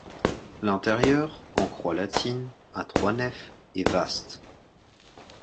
L'intérieur, en croix latine, à trois nefs, est vaste.